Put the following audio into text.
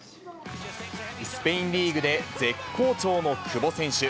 スペインリーグで絶好調の久保選手。